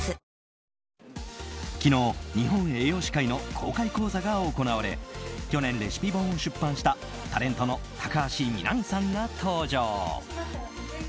昨日、日本栄養士会の公開講座が行われ去年レシピ本を出版したタレントの高橋みなみさんが登場。